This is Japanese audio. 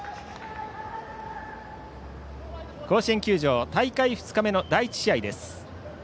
甲子園球場大会２日目の第１試合です。